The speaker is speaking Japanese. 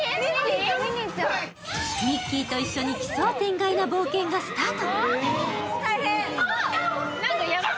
ミッキーと一緒に奇想天外な冒険がスタート。